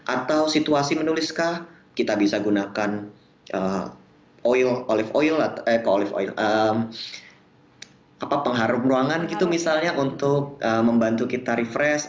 atau situasi menuliskah kita bisa gunakan olive oil ruangan gitu misalnya untuk membantu kita refresh